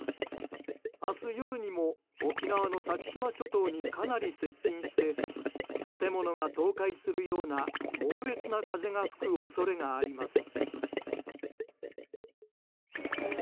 明日夜にも沖縄の先島諸島にかなり接近して建物が倒壊するような猛烈な風が吹く恐れがあります。